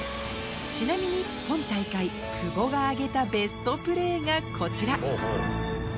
ちなみに今大会、久保が挙げたベストプレーがこちら。